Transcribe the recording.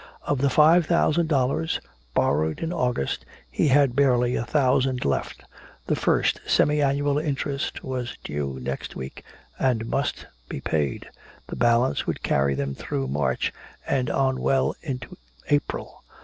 Of the five thousand dollars borrowed in August he had barely a thousand left. The first semi annual interest was due next week and must be paid. The balance would carry them through March and on well into April.